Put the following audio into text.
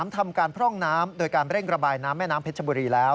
ทำการพร่องน้ำโดยการเร่งระบายน้ำแม่น้ำเพชรบุรีแล้ว